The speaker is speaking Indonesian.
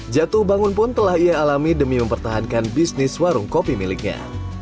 jatuh bangun pun telah ia alami demi mempertahankan bisnis warung kopi miliknya